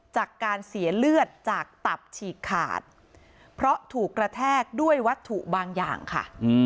จากการเสียเลือดจากตับฉีกขาดเพราะถูกกระแทกด้วยวัตถุบางอย่างค่ะ